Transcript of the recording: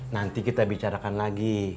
nanti kita bicarakan lagi